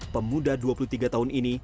pemuda dua puluh tiga tahun ini